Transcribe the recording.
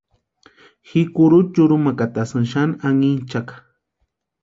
Ji kurucha yurhumakatasïnti xani anhinchakʼa.